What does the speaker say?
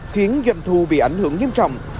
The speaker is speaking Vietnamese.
các doanh thu bị ảnh hưởng nghiêm trọng